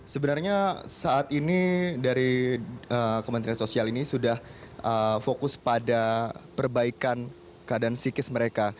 sebenarnya saat ini dari kementerian sosial ini sudah fokus pada perbaikan keadaan psikis mereka